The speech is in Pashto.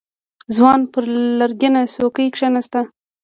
ځوان پر لرګينه څوکۍ کېناست.